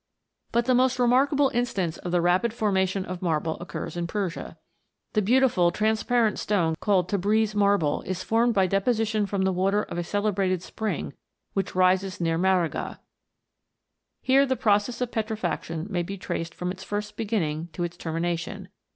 But the most remarkable instance of the rapid formation of marble occurs in Persia. The beau tiful transparent stone called Tabreez marble is formed by deposition from the water of a celebrated spring which rises near Maragha. Here the process of petrifaction may be traced from its first beginning to its termination.